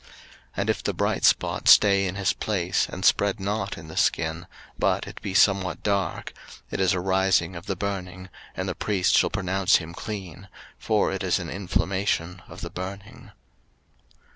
03:013:028 And if the bright spot stay in his place, and spread not in the skin, but it be somewhat dark; it is a rising of the burning, and the priest shall pronounce him clean: for it is an inflammation of the burning.